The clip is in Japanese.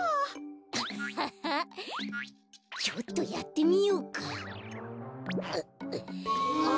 アッハッハッちょっとやってみようか。